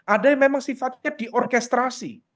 ada yang memang sifatnya diorkestrasi